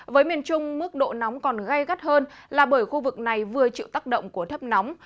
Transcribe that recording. với miền trung mức độ nóng còn gây gắt hơn là bởi khu vực này vừa chịu tác động của thấp nóng